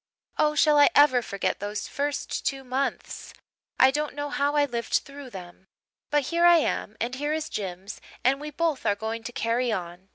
Oh, shall I ever forget those first two months! I don't know how I lived through them. But here I am and here is Jims and we both are going to 'carry on.'